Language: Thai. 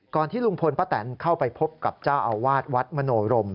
ที่ลุงพลป้าแตนเข้าไปพบกับเจ้าอาวาสวัดมโนรม